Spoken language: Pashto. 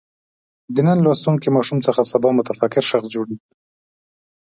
د نن لوستونکی ماشوم څخه سبا متفکر شخص جوړېږي.